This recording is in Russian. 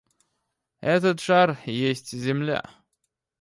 Этот шар есть земля.